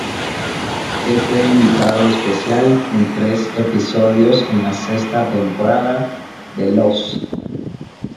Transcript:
Él fue invitado especial en tres episodios en la sexta temporada de "Lost".